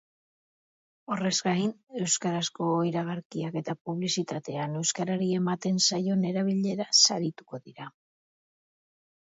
Horrez gain, euskarazko iragarkiak eta publizitatean euskarari emanten zaion erabileraz arituko dira.